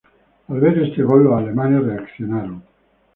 Al ver este gol los alemanes reaccionaron.